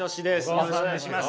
よろしくお願いします。